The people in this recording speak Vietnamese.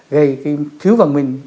gây cái thiếu văn minh